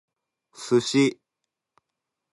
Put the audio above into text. sushi